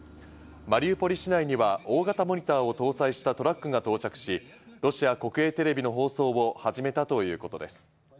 マリウポリ市内には大型モニターを搭載したトラックが到着し、ロシア国営テレビの放送を始めたということです。